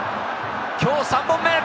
今日３本目。